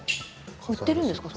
売っているんですか？